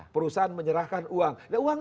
perusahaan menyerahkan uang uang